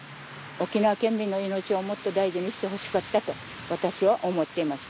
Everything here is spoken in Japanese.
沖縄県民の命をもっと大事にしてほしかったと私は思っています。